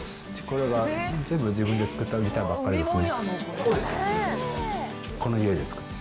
これが全部自分で作ったギターばっかりなんですね。